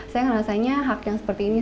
saya ngerasanya hak yang seperti ini